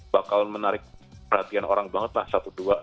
bakal menarik perhatian orang banget lah satu dua